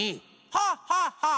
ハッハッハッ！